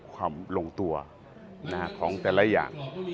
ลงตัวของแต่ละอย่าง